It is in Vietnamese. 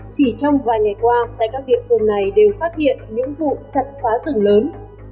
chỉ trong vài ngày qua tại các địa phương này đều phát hiện những vụ chặt phá rừng lớn